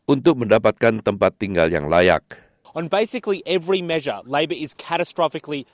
untuk mendapatkan tempat tinggal yang lebih baik